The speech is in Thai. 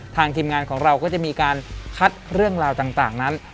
ทีมงานของเราก็จะมีการคัดเรื่องราวต่างนั้น